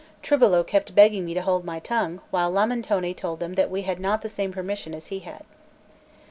Tribolo kept begging me to hold my tongue, while Lamentone told them that we had not the same permission as he had.